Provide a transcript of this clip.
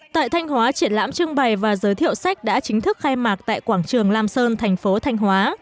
tại thanh hóa triển lãm trưng bày và giới thiệu sách đã chính thức khai mạc tại quảng trường lam sơn thành phố thanh hóa